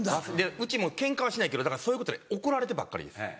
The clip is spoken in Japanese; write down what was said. うちもケンカはしないけどそういうことで怒られてばっかりです。